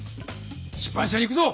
出版社に行くぞ！